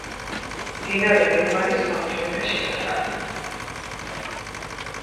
მდინარე ნემანის მარჯვენა შენაკადი.